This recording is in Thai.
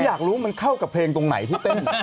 อยากรู้มันเข้ากับเพลงตรงไหนที่เต้น